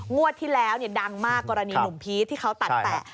งวดที่แล้วดังมากกรณีหนุ่มพีชที่เขาตัดแปะ